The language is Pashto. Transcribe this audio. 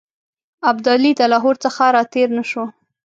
ابدالي د لاهور څخه را تېر نه شو.